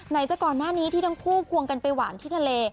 จะก่อนหน้านี้ที่ทั้งคู่ควงกันไปหวานที่ทะเล